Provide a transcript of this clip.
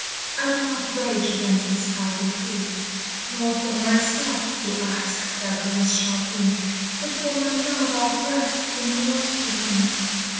"I do not rage against his high decree, Nor for myself do ask that grace shall be; But for my love on earth who mourns for me.